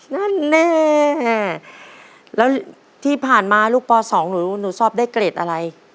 นั่นแน่แล้วที่ผ่านมาลูกป๒หนูหนูชอบได้เกรดอะไร